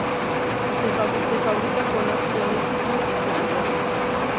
Se fabrica con ácido nítrico y celulosa.